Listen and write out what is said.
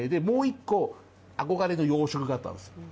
もう１個憧れの洋食があったんです。